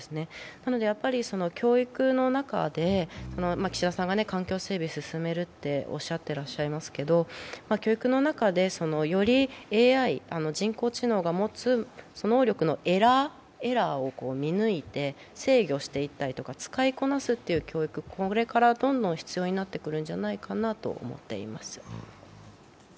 なので教育の中で、岸田さんが環境整備を進めるとおっしゃってますけど、教育の中で、よりＡＩ＝人工知能が持つ能力のエラーを見抜いて制御していったりとか、使いこなす教育がこれからどんどん必要になってくるんじゃないかなと思っています。